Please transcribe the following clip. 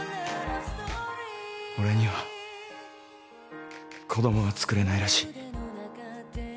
俺には子供はつくれないらしい。